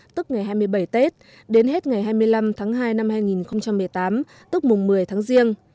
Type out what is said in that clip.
tức ngày hai mươi bảy tết đến hết ngày hai mươi năm tháng hai năm hai nghìn một mươi tám tức mùng một mươi tháng riêng